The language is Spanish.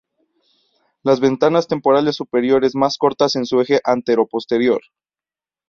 Las ventanas temporales superiores más cortas en su eje anteroposterior.